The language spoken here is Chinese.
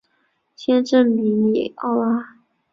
县治米尼奥拉。